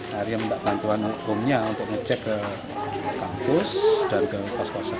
hari bantuan hukumnya untuk ngecek ke kampus dan ke kos kosan